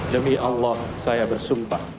demi allah saya bersumpah